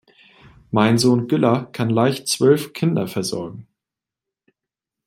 Mein Sohn Güllar kann leicht zwölf Kinder versorgen.